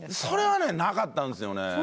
それはなかったんすよね。